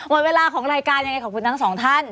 หมดเวลาของรายการยังไงขอบคุณทั้งสองท่าน